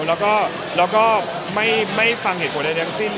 แล้วก็ไม่ฟังเหตุผลใดทั้งสิ้น